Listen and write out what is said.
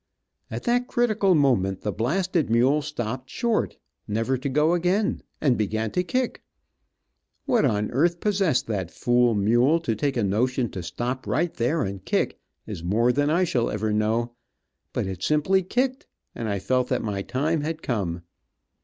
At that critical moment the blasted mule stopped short, never to go again, and began to kick. What on earth possessed that fool mule to take a notion to stop right there and kick, is more than I shall ever know, but it simply kicked, and I felt that my time had come.